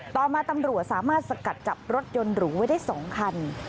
ต่อมาตำรวจสามารถสกัดจับรถยนต์หรูไว้ได้๒คัน